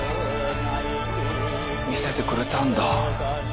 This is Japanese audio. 見せてくれたんだ。